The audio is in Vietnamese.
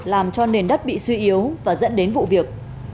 làm cho nền đất bị suy yếu và dẫn đến vụ việc